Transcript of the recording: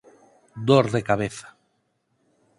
Dor de cabeza.